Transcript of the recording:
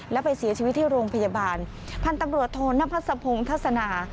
แล้วไปเสียชีวิตที่โรงพยาบาลพันธุ์ตำรวจโทนพัสพสะพงศนา